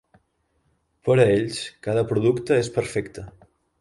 Per a ells, cada producte és perfecte.